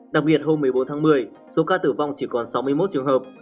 đặc biệt hôm một mươi bốn tháng một mươi số ca tử vong chỉ còn sáu mươi một trường hợp